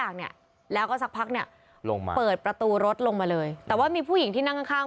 ลงมาเปิดประตูรถลงมาเลยแต่ว่ามีผู้หญิงที่นั่งข้าง